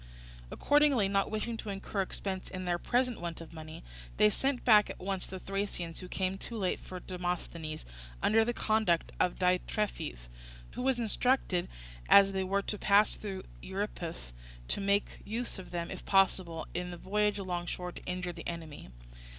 Accordingly, not wishing to incur expense in their present want of money, they sent back at once the Thracians who came too late for Demosthenes, under the conduct of Diitrephes, who was instructed, as they were to pass through the Euripus, to make use of them if possible in the voyage alongshore to injure the enemy.